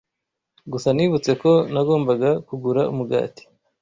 Gusa nibutse ko nagombaga kugura umugati.